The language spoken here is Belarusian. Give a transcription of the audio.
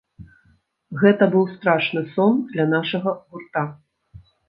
Гэта быў страшны сон для нашага гурта.